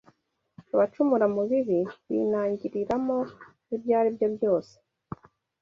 abacumura mu bibi binangiriramo ibyo ari byo byose